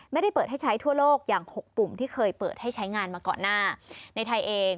ไม่ได้เปิดให้ใช้ทั่วโลกอย่างหกปุ่มที่เคยเปิดให้ใช้งานมาก่อนหน้าในไทยเอง